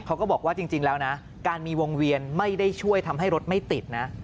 ก็บอกว่าจริงแล้วนะการมีวงเวียนไม่ได้ช่วยทำให้รถไม่ติดนะ